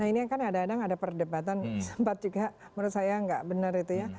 nah ini kan kadang kadang ada perdebatan sempat juga menurut saya nggak benar itu ya